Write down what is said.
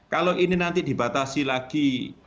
kalau ini nanti dibatasi lagi